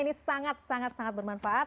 ini sangat sangat bermanfaat